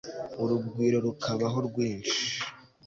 urugwiro rukabaho rwinshi